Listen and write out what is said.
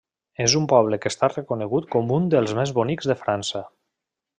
És un poble que està reconegut com un dels més bonics de França.